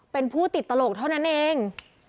เป็นผู้ติดตลกเท่านั้นเอง